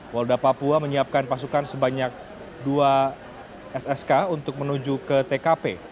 polda papua menyiapkan pasukan sebanyak dua ssk untuk menuju ke tkp